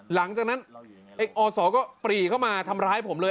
หลังจากนั้นไอ้อศก็ปรีเข้ามาทำร้ายผมเลย